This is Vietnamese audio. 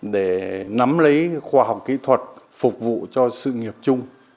để nắm lấy khoa học kỹ thuật phục vụ cho sự nghiệp chung